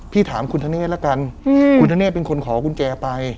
ถามคุณธเนธละกันคุณธเนธเป็นคนขอกุญแจไป